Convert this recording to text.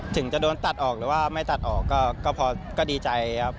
ถึงจะโดนตัดออกหรือว่าไม่ตัดออกก็พอก็ดีใจครับ